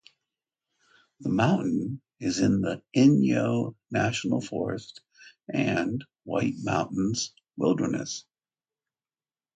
The mountain is in the Inyo National Forest and White Mountains Wilderness.